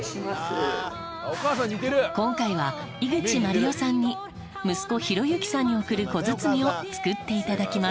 今回は井口まりよさんに息子浩之さんに送る小包みを作って頂きます。